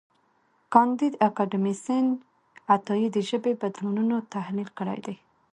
کانديد اکاډميسن عطایي د ژبني بدلونونو تحلیل کړی دی.